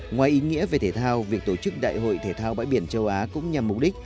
ngoài ý nghĩa về thể thao việc tổ chức đại hội thể thao bãi biển châu á cũng nhằm mục đích